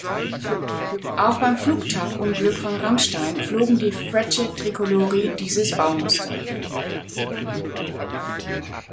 Auch beim Flugtagunglück von Ramstein flogen die Frecce Tricolori dieses Baumuster.